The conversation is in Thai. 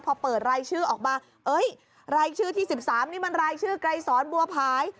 พอเปิดรายชื่อออกมารายชื่อที่๑๓นี่มันรายชื่อไกรสอนบัวผาย